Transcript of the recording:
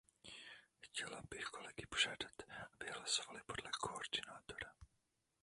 Chtěla bych kolegy požádat, aby hlasovali podle koordinátora.